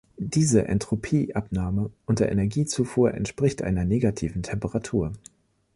Diese Entropieabnahme unter Energiezufuhr entspricht einer negativen Temperatur.